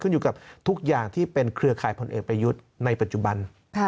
อยู่กับทุกอย่างที่เป็นเครือข่ายผลเอกประยุทธ์ในปัจจุบัน